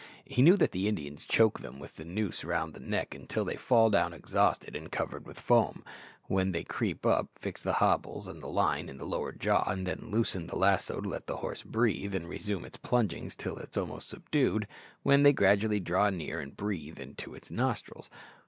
He knew that the Indians choke them with the noose round the neck until they fall down exhausted and covered with foam, when they creep up, fix the hobbles, and the line in the lower jaw, and then loosen the lasso to let the horse breathe, and resume its plungings till it is almost subdued, when they gradually draw near and breathe into its nostrils.